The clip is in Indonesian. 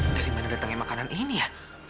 dari mana datangnya makanan ini ya